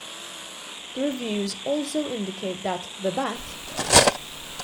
The reviews also indicate that The Bat!